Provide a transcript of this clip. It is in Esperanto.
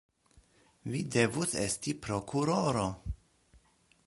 Vi devus esti prokuroro!